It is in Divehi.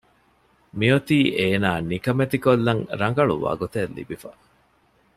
މިއޮތީ އޭނާ ނިކަމެތިކޮށްލަން ރަނގަޅު ވަގުތެއް ލިބިފަ